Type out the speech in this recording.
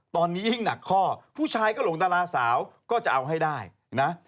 ตอนนี้ยิ่งหนักข้อผู้ชายก็หลงดาราสาวก็จะเอาให้ได้นะ